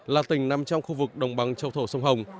là tỉnh nằm trong khu vực đồng bằng châu thổ sông hồng